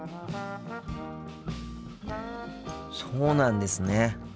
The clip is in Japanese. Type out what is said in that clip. そうなんですね。